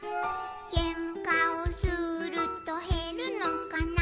「けんかをするとへるのかな」